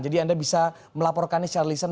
jadi anda bisa melaporkannya secara lisan